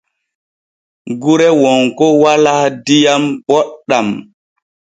Gure wonko walaa diyam boɗɗam.